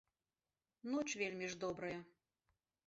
Ноч вельмі ж добрая.